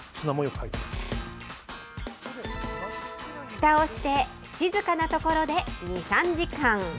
ふたをして、静かな所で２、３時間。